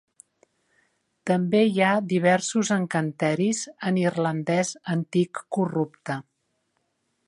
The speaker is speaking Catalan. També hi ha diversos encanteris en irlandès antic corrupte.